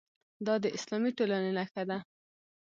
دا د اسلامي ټولنې نښه ده.